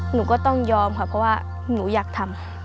หนูก็ต้องยอมค่ะเพราะว่าหนูอยากทำ